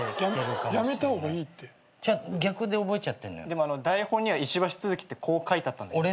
でも台本には「石橋」「都築」ってこう書いてあったんだけど。